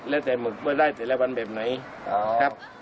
แล้วใส่หมึกว่าได้แต่ละวันแบบไหนครับ